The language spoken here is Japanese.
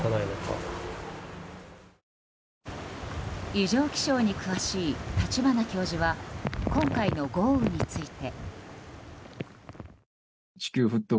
異常気象に詳しい立花教授は今回の豪雨について。